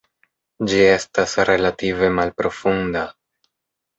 Ĝi estas relative malprofunda.